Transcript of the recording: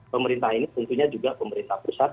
pemerintah ini tentunya juga pemerintah pusat